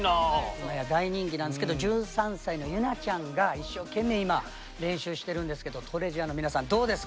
今や大人気なんですけど１３歳の優菜ちゃんが一生懸命今練習してるんですけどＴＲＥＡＳＵＲＥの皆さんどうですか？